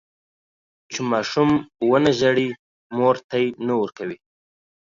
چې ماشوم ونه زړي، مور تی نه ورکوي.